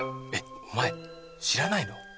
えっお前知らないの？